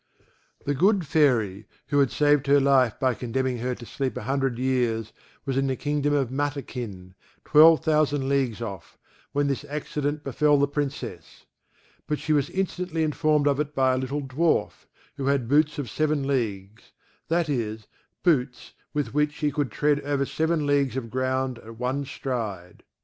The good Fairy, who had saved her life by condemning her to sleep a hundred years, was in the kingdom of Matakin, twelve thousand leagues off, when this accident befell the Princess; but she was instantly informed of it by a little dwarf, who had boots of seven leagues, that is, boots with which he could tread over seven leagues of ground at one stride.